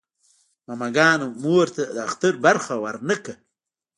ماماګانو مور ته د اختر برخه ورنه کړه.